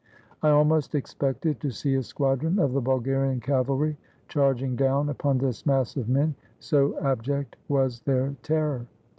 I almost expected to see a squadron of the Bulgarian cavalry charging down upon this mass of men, so abject was their terror.